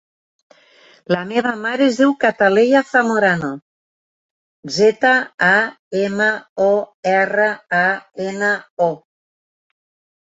La meva mare es diu Cataleya Zamorano: zeta, a, ema, o, erra, a, ena, o.